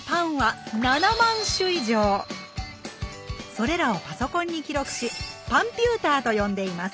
それらをパソコンに記録し「パンピューター」と呼んでいます